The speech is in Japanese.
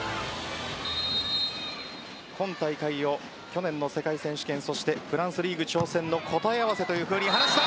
今大会を去年の世界選手権フランスリーグ挑戦の答え合わせというふうに話した。